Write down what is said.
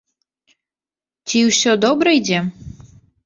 Ці ўсё добра ідзе?